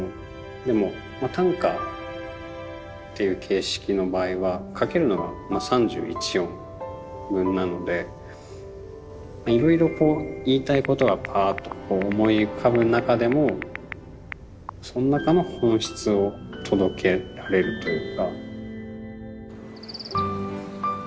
でも短歌っていう形式の場合はいろいろこう言いたいことはパーッと思い浮かぶ中でもその中の本質を届けられるというか。